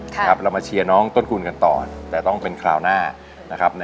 เรามาเชียร์น้องต้นคูณกันต่อแต่ต้องเป็นคราวหน้านะครับ